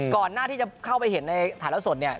ก่อนหน้าที่จะเข้าไปเห็นในถ่ายแล้วสดเนี่ย